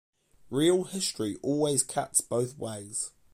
Real history always cuts both ways.